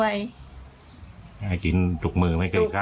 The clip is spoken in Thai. ให้กินทุกมือไม่เคยกล้า